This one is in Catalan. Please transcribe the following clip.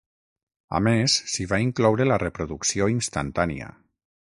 A més, s'hi va incloure la reproducció instantània.